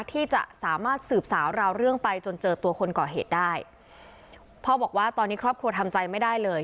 ที่จะสามารถสืบสาวราวเรื่องไปจนเจอตัวคนก่อเหตุได้พ่อบอกว่าตอนนี้ครอบครัวทำใจไม่ได้เลย